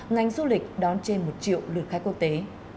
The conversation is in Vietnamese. ngành du lịch đón trên một triệu lượt khách quốc tế